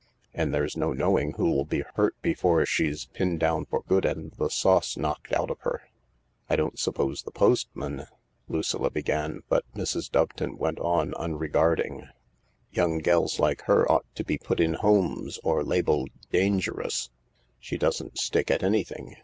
And there's no knowing who'll be hurt before she's pinned down for good and the sauce knocked out of her." " I don't suppose the postman " Lucilla began, but Mrs. Doveton went on unregarding. ''Young gells like her ought to be put in homes, or labelled ' Dangerous.' She doesn't stick at anything.